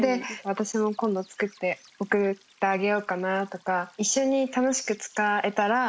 私も今度つくって送ってあげようかなとか。